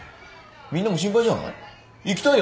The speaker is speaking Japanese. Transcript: みんなも心配じゃない？